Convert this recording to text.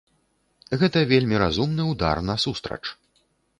Гэта вельмі разумны ўдар насустрач.